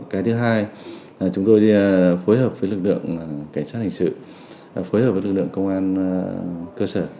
cái thứ hai chúng tôi phối hợp với lực lượng cảnh sát hình sự phối hợp với lực lượng công an cơ sở